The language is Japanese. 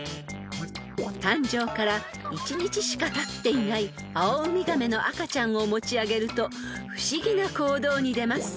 ［誕生から１日しかたっていないアオウミガメの赤ちゃんを持ち上げると不思議な行動に出ます］